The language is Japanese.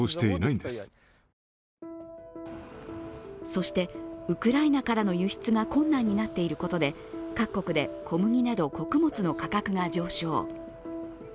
そして、ウクライナからの輸出が困難になっていることで各国で小麦など穀物の価格が上昇。